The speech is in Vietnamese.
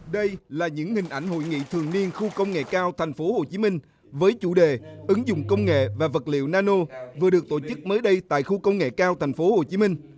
đây là những hình ảnh hội nghị thường niên khu công nghệ cao tp hcm với chủ đề ứng dụng công nghệ và vật liệu nano vừa được tổ chức mới đây tại khu công nghệ cao tp hcm